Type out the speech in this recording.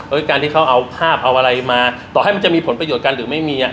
การที่เขาเอาภาพเอาอะไรมาต่อให้มันจะมีผลประโยชน์กันหรือไม่มีอ่ะ